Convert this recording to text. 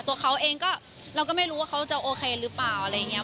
ตัวเขาเองก็เราก็ไม่รู้ว่าเขาจะโอเคหรือเปล่าอะไรอย่างนี้